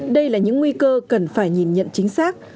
đây là những nguy cơ cần phải nhìn nhận chính xác